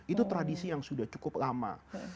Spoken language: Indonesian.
itu tradisi yang sudah cukup lama